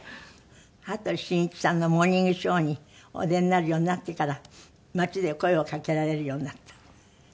羽鳥慎一さんの『モーニングショー』にお出になるようになってから街で声をかけられるようになった。